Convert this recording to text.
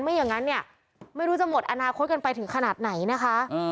อย่างนั้นเนี่ยไม่รู้จะหมดอนาคตกันไปถึงขนาดไหนนะคะ